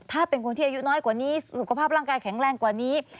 ถ้าเป็นคนที่อายุน้อยกว่านี้สุขภาพร่างกายแข็งแรงกว่านี้